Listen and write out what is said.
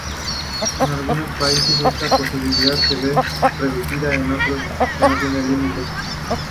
En algunos países esta posibilidad se ve reducida, en otros no tienen límite.